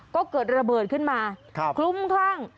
ก็เกิดระเบิดขึ้นมาคลุ้มคลั่ง